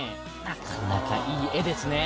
なかなかいい画ですね。